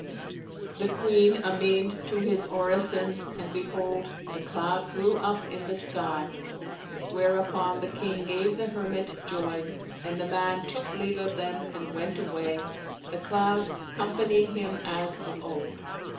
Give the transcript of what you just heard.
The Queen amen'd to his orisons and behold, the cloud grew up in the sky; whereupon the King gave the hermit joy and the man took leave of them and went away, the cloud companying him as of old.